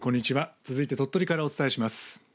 続いて鳥取からお伝えします。